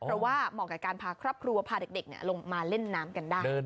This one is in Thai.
เพราะว่าเหมาะกับการพาครอบครัวพาเด็กลงมาเล่นน้ำกันได้